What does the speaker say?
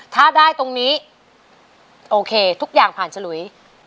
ถ้าได้ตรงนี้โอเคทุกอย่างผ่านฉลุย